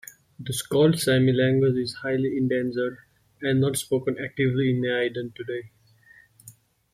The Skolt Sami language is highly endangered and not spoken actively in Neiden today.